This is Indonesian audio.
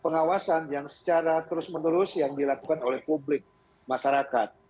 pengawasan yang secara terus menerus yang dilakukan oleh publik masyarakat